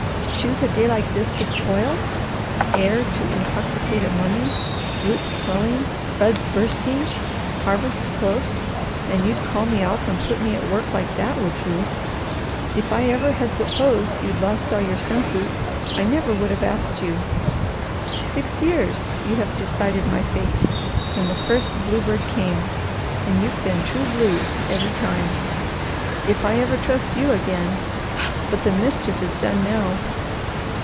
"Choose a day like this to spoil! Air to intoxicate a mummy! Roots swelling! Buds bursting! Harvest close and you'd call me off and put me at work like that, would you? If I ever had supposed lost all your senses, I never would have asked you. Six years you have decided my fate, when the first bluebird came, and you've been true blue every time. If I ever trust you again! But the mischief is done now.